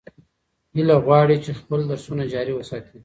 هیله غواړي چې خپل درسونه جاري وساتي.